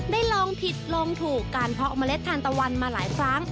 ได้ลองผิดลองถูกการเพาะเมล็ดทานตะวันมาหลายครั้ง